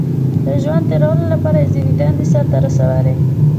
• د ژوند تېرولو لپاره یې ځینې دندې سر ته رسولې.